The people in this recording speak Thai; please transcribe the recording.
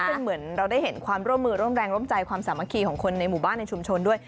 เป็นเหมือนเราได้เห็นความร่วมมือร่วมแรงร่วมใจความสามัคคีของคนในหมู่บ้านในชุมชนด้วย